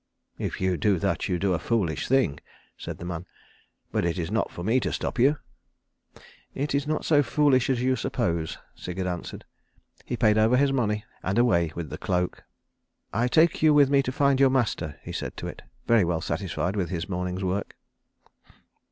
"If you do that you do a foolish thing," said the man, "but it is not for me to stop you. "It's not so foolish as you suppose," Sigurd answered. He paid over his money, and away with the cloak. "I take you with me to find your master," he said to it, very well satisfied with his morning's work.